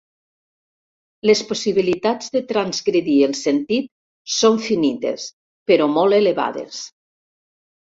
Les possibilitats de transgredir el sentit són finites però molt elevades.